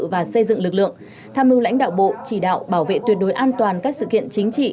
và xây dựng lực lượng tham mưu lãnh đạo bộ chỉ đạo bảo vệ tuyệt đối an toàn các sự kiện chính trị